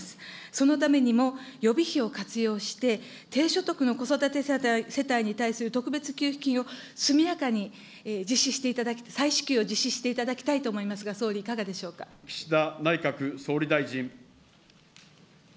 そのためにも予備費を活用して、低所得の子育て世帯に対する特別給付金を速やかに実施していただきたい、再支給を実施していただきたいと思いますが、総理、いか岸田内閣総理大臣。